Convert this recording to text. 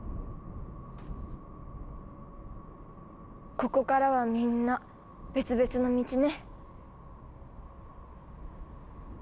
ここからはみんな別々の道ね。